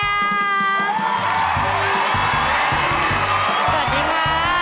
สวัสดีค่ะ